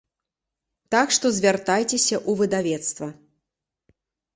Так што звяртайцеся ў выдавецтва.